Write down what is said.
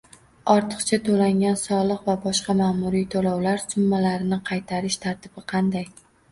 Ortiqcha to‘langan soliq va boshqa majburiy to‘lovlar summalarini qaytarish tartibi qanday?